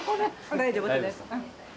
大丈夫ですうん。